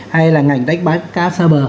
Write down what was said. hay là ngành đánh bán cá xa bờ